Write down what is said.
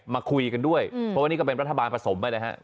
มาคุยกันด้วยเพราะว่านี่ก็เป็นรัฐบาลผสมไปแล้วฮะ